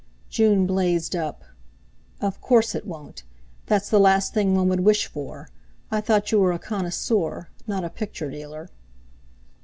June blazed up. "Of course it won't; that's the last thing one would wish for. I thought you were a connoisseur, not a picture dealer."